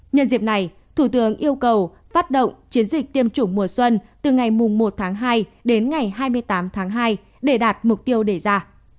nhân dịp này thủ tướng yêu cầu phát động chiến dịch tiêm chủng mùa xuân từ ngày một tháng hai đến ngày hai mươi tám tháng hai để đạt mục tiêu đề ra